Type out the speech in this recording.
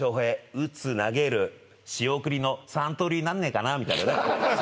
打つ投げる仕送りの三刀流になんないかなみたいなね